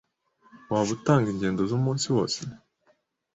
Waba utanga ingendo zumunsi wose?